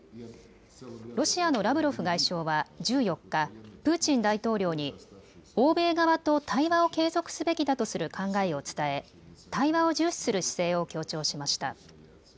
ロシアのラブロフ外相は１４日、プーチン大統領に欧米側と対話を継続すべきだとする考えを伝え対話を重視する姿勢を強調しました。